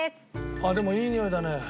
ああでもいいにおいだね。